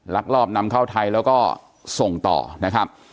ลักลอบนำเข้าไทยแล้วก็ส่งต่อนะครับ